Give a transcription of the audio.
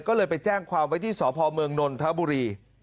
ก็เลยไปแจ้งความไว้ที่สพเมืองนนทบุรี